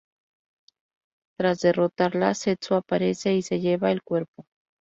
Tras derrotarla, Zetsu aparece y se lleva el cuerpo.